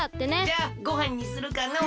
じゃあごはんにするかのう。